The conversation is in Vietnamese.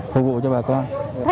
phục vụ cho bà con